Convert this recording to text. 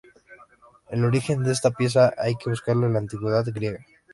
El origen de esta pieza hay que buscarlo en la antigüedad griega.